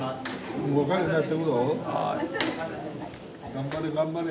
頑張れ頑張れ。